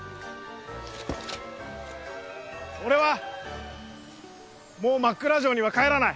俺はもうマックラ城には帰らない！